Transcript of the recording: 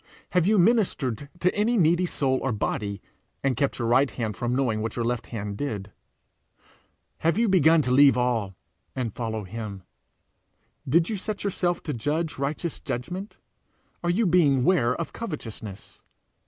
Have you ministered to any needy soul or body, and kept your right hand from knowing what your left hand did? Have you begun to leave all and follow him? Did you set yourself to judge righteous judgment? Are you being ware of covetousness?